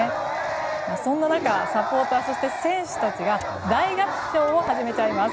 そんな中サポーター、そして選手たちが大合唱を始めちゃいます。